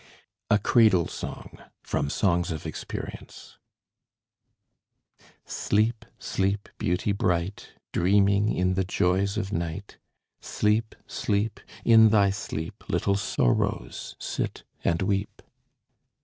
A CRADLE SONG From 'Songs of Experience' Sleep, sleep, beauty bright, Dreaming in the joys of night; Sleep, sleep; in thy sleep Little sorrows sit and weep.